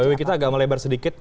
mbak wi kita agak melebar sedikit